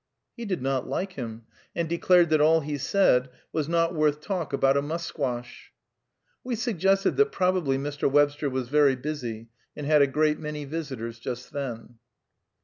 He did not like him, and declared that all he said "was not worth talk about a musquash." We suggested that probably Mr. Webster was very busy, and had a great many visitors just then.